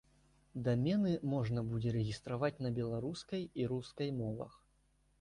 Дамены можна будзе рэгістраваць на беларускай і рускай мовах.